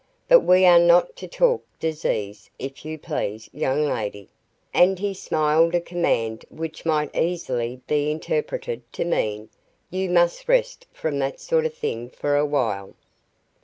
"But we are not to talk disease, if you please, young lady," and he smiled a command which might easily be interpreted to mean: "You must rest from that sort of thing for a while."